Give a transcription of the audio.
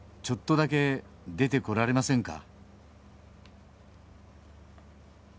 「ちょっとだけ出てこられませんか？」